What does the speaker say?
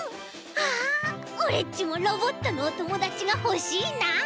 ああオレっちもロボットのおともだちがほしいな。